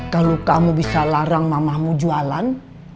kalau kamu bisa larang mamamu jualan